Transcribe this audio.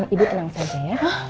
ibu tenang saja ya